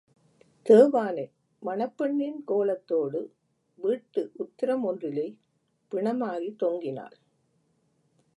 தேவானை மணப்பெண்ணின் கோலத்தோடு வீட்டு உத்திரம் ஒன்றிலே பிணமாகித் தொங்கினாள்!